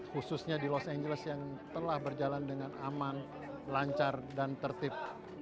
khususnya di los angeles yang telah berjalan dengan aman lancar dan tertib